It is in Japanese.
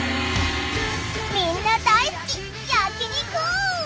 みんな大好き焼き肉！